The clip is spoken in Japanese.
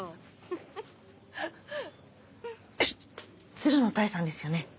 鶴野多江さんですよね？